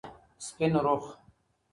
سپینرخ